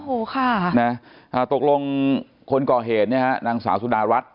โอ้โหค่ะนะตกลงคนก่อเหตุเนี่ยฮะนางสาวสุดารัฐ